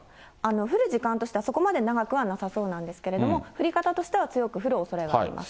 降る時間としてはそこまで長くはなさそうなんですけれども、降り方としては強く降るおそれがあります。